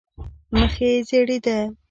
مخ یې زېړېده.